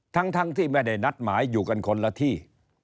ทั้งที่ไม่ได้นัดหมายอยู่กันคนละที่